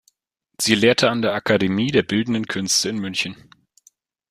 Sie lehrte an der Akademie der Bildenden Künste in München.